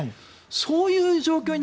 そういう状況に